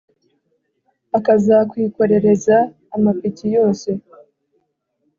Akazakwikorereza amapiki yose